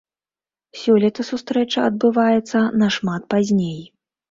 Сёлета сустрэча адбываецца нашмат пазней.